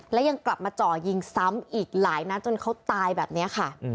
และยังกลับมาจ่อยิงซ้ำอีกหลายนัดจนเขาตายแบบนี้ค่ะ